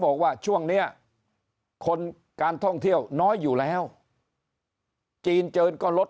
บอกว่าช่วงนี้คนการท่องเที่ยวน้อยอยู่แล้วจีนเจนก็ลด